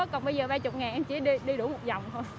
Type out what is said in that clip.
còn bây giờ ba mươi em chỉ đi đủ một vòng thôi